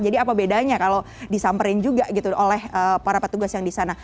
jadi apa bedanya kalau disamperin juga gitu oleh para petugas yang di sana